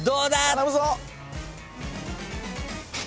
頼むぞ！